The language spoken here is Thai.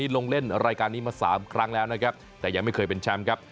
ลงเล่นรายการนี้มา๓ครั้งแล้วนะครับแต่ยังไม่เคยเป็นแชมป์ครับ